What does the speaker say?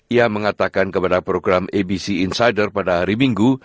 ia mengatakan kepada program abc insider pada hari minggu